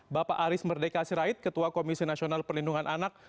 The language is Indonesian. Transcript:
bapak aris merdeka sirait ketua komisi nasional perlindungan anak